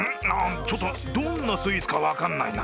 ちょっとどんなスイーツか分からないな。